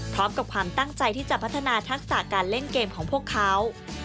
พร้อมกับความตั้งใจที่จะพัฒนาทักษะการเล่นเกมของพวกเขา